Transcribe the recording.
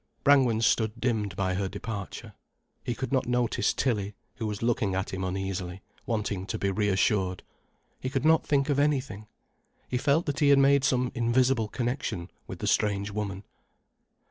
Brangwen stood dimmed by her departure. He could not notice Tilly, who was looking at him uneasily, wanting to be reassured. He could not think of anything. He felt that he had made some invisible connection with the strange woman.